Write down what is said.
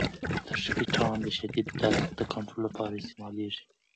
ټریپټان د شدید درد د کنترول لپاره استعمالیږي.